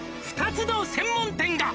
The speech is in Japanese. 「２つの専門店が！